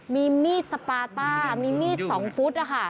มีมีดสปาต้ามีมีดสองฟุตค่ะ